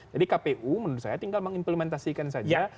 jadi kpu menurut saya tinggal mengimplementasikan saja